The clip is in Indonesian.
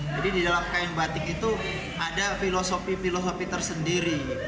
jadi di dalam kain batik itu ada filosofi filosofi tersendiri